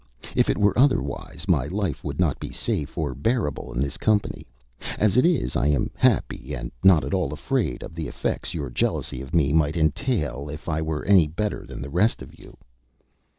If it were otherwise, my life would not be safe or bearable in this company. As it is, I am happy and not at all afraid of the effects your jealousy of me might entail if I were any better than the rest of you."